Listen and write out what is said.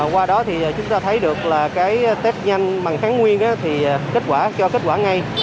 qua đó thì chúng ta thấy được là cái tết nhanh bằng kháng nguyên thì kết quả cho kết quả ngay